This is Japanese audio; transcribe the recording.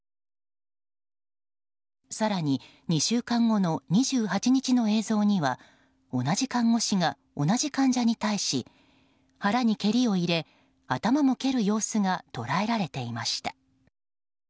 更に２週間後の２８日の映像には同じ看護師が、同じ患者に対し腹に蹴りを入れ頭も蹴る様子が捉えられていました。